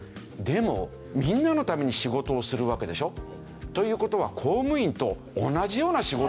でもみんなのために仕事をするわけでしょ？という事は公務員と同じような仕事をしてるじゃないかと。